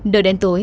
đợi đến tối